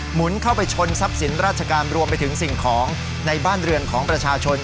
หุนเข้าไปชนทรัพย์สินราชการรวมไปถึงสิ่งของในบ้านเรือนของประชาชน